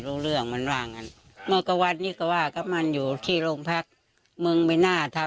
ก็เลยมาพูดว่ามึงนี่ก็ตายจริงเนาะ